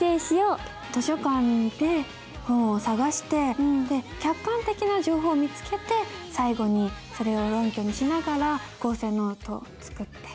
図書館で本を探して客観的な情報を見つけて最後にそれを論拠にしながら構成ノートを作って。